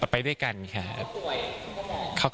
ไปด้วยกันค่ะ